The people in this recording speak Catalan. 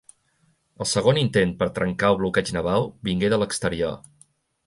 El segon intent per trencar el bloqueig naval vingué de l'exterior.